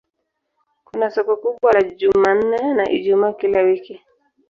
Kuna soko kubwa la Jumanne na Ijumaa kila wiki.